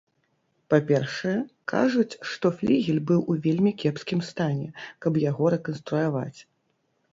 Па-першае, кажуць, што флігель быў у вельмі кепскім стане, каб яго рэканструяваць.